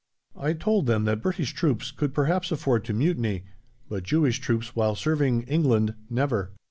I told them that British troops could perhaps afford to mutiny, but Jewish troops, while serving England, never.